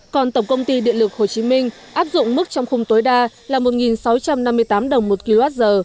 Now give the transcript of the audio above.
còn tổng công ty điện lực hồ chí minh áp dụng mức trong khung tối đa là một sáu trăm năm mươi tám đồng một kwh